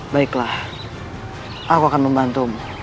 baiklah aku akan membantumu